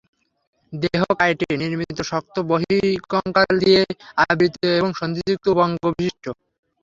দেহ কাইটিন নির্মিত শক্ত বহিঃকঙ্কাল দিয়ে আবৃত এবং সন্ধিযুক্ত উপাঙ্গবিশিষ্ট।